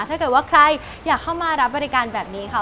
ถ้าเกิดว่าใครอยากเข้ามารับบริการแบบนี้ค่ะ